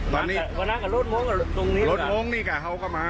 วันนั้นก็รถม้องก็ตรงนี้รถม้องนี่กะเขาก็มา